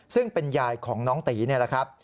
ซึ่งเป็นยายของน้องตีนี่แหละครับ